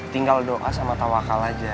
tinggal doa sama tawakal aja